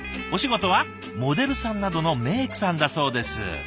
お仕事はモデルさんなどのメークさんだそうです。